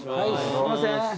すいません。